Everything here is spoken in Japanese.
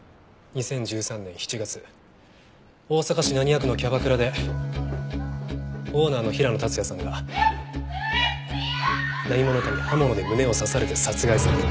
２０１３年７月大阪市浪速区のキャバクラでオーナーの平野竜也さんが何者かに刃物で胸を刺されて殺害された。